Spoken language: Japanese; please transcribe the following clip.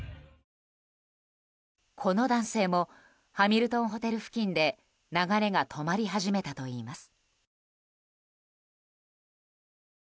この男性もハミルトンホテル付近で流れが止まり始めたといいます。